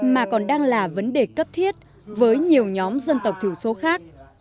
mà còn đang là vấn đề cấp thiết với nhiều nhóm dân tộc thiểu số khác